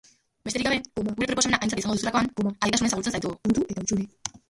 Besteak beste, nekea, sudurreko jarioa eta buruko mina.